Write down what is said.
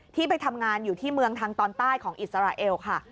ไปทำงานอยู่ที่เมืองทางตอนใต้ของอิสราเอลค่ะ